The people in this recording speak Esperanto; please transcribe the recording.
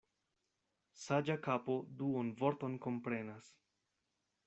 Saĝa kapo duonvorton komprenas.